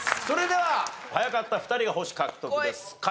それでは早かった２人が星獲得です。